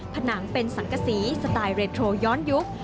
ผนังเป็นสังกษีสไตล์เรโทรย้อนยุค